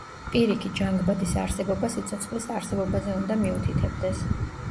პირიქით, ჟანგბადის არსებობა სიცოცხლის არსებობაზე უნდა მიუთითებდეს.